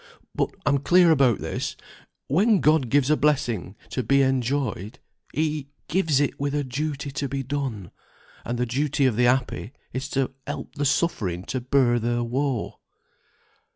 But I'm clear about this, when God gives a blessing to be enjoyed, He gives it with a duty to be done; and the duty of the happy is to help the suffering to bear their woe."